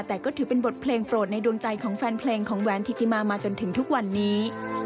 แต่ก็ถือเป็นบทเพลงโปรดในดวงใจของแฟนเพลงของแหวนธิติมามาจนถึงทุกวันนี้